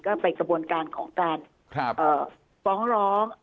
ก็เป็นกระบวนการของการฟ้องร้อง